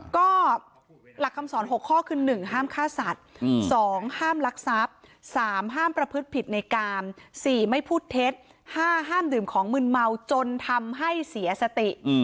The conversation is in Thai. ก็หลักคำสอน๖ข้อคือ๑ห้ามฆ่าสัตว์๒ห้ามลักทรัพย์๓ห้ามประพฤติผิดในกาม๔ไม่พูดเท็จ๕ห้ามดื่มของมืนเมาจนทำให้เสียสติ